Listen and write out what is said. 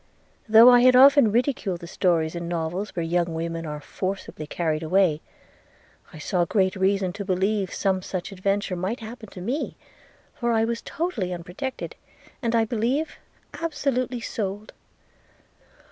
Though I had often ridiculed the stories in novels where young women are forcibly carried away, I saw great reason to believe some such adventure might happen to me, for I was totally unprotected, and, I believe, absolutely sold.'